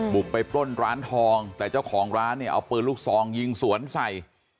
บุกไปปล้นร้านทองแต่เจ้าของร้านเนี่ยเอาปืนลูกซองยิงสวนใส่